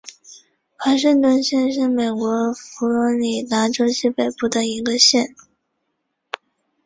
华盛顿县是美国佛罗里达州西北部的一个县。